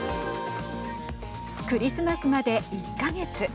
クリスマスまで１か月。